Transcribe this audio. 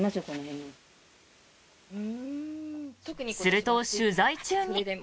すると、取材中に。